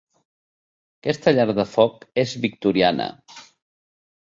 Aquesta llar de foc és victoriana.